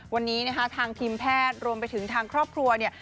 วันนี้นะคะทางทีมแพทย์รวมไปถึงทางครอบครัวเนี่ย